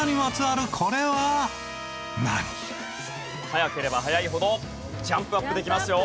早ければ早いほどジャンプアップできますよ。